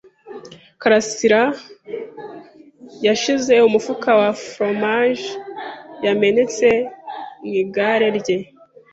Karasirayashyize umufuka wa foromaje yamenetse mu igare rye.